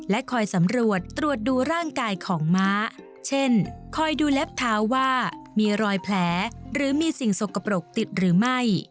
คอยสำรวจตรวจดูร่างกายของม้าเช่นคอยดูเล็บเท้าว่ามีรอยแผลหรือมีสิ่งสกปรกติดหรือไม่